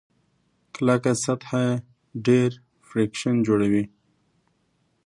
کلکه سطحه ډېر فریکشن جوړوي.